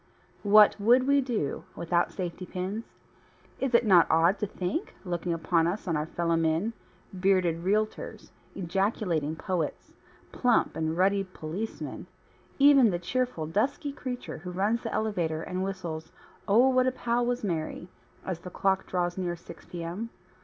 What would we do without safety pins? Is it not odd to think, looking about us on our fellowmen (bearded realtors, ejaculating poets, plump and ruddy policemen, even the cheerful dusky creature who runs the elevator and whistles "Oh, What a Pal Was Mary" as the clock draws near 6 P. M.)